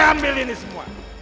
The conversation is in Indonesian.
ambil ini semua